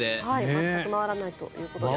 全く回らないということです。